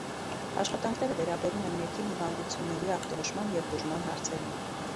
Աշխատանքները վերաբերում են ներքին հիվանդությունների ախտորոշման և բուժման հարցերին։